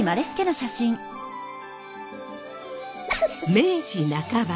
明治半ば